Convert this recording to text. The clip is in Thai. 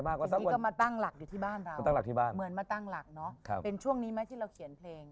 แม่ที่เราเขียนเพลง